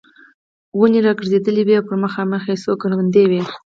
ونې را ګرځېدلې وې او پر مخامخ یې څو کروندې وې.